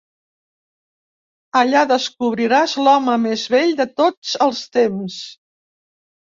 Allà descobriràs l'home més vell de tots els temps.